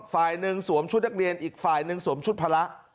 ฝ่ายหนึ่งสวมชุดนักเรียนอีกฝ่ายหนึ่งสวมชุดพละ